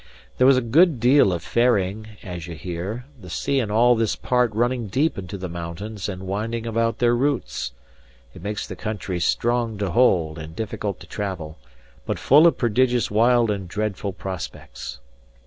There was a good deal of ferrying, as you hear; the sea in all this part running deep into the mountains and winding about their roots. It makes the country strong to hold and difficult to travel, but full of prodigious wild and dreadful prospects.